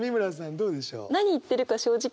どうでしょう？